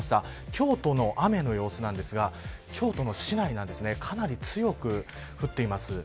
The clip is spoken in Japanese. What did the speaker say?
京都の雨の様子なんですが京都の市内なんですがかなり強く降っています。